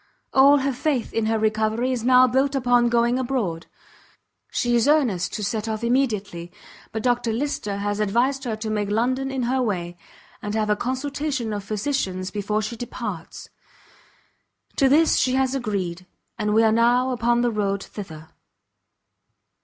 All her faith in her recovery is now built upon going abroad; she is earnest to set off immediately; but Dr Lyster has advised her to make London in her way, and have a consultation of physicians before she departs. To this she has agreed; and we are now upon the road thither.